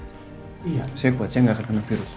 saya kuat saya gak akan kena virus